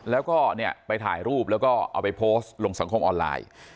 แล้วก็เนี่ยไปถ่ายรูปแล้วก็เอาไปโพสต์ลงสังคมออนไลน์